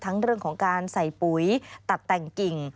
เรื่องของการใส่ปุ๋ยตัดแต่งกิ่ง